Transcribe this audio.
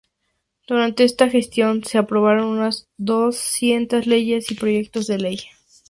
Durante esta gestión se aprobaron unas doscientas leyes y proyectos de ley.